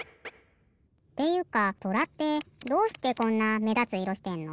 っていうかとらってどうしてこんなめだついろしてんの？